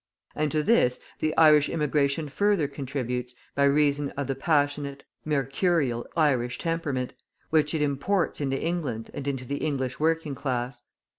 And to this the Irish immigration further contributes by reason of the passionate, mercurial Irish temperament, which it imports into England and into the English working class.